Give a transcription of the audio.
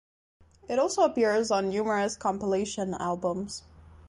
It also appears on numerous compilation albums.